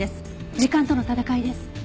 時間との闘いです。